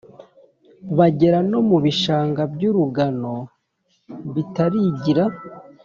bagera no mu bishanga by’urugano bitarigira